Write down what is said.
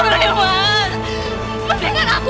mendingan aku mati dibanding anak aku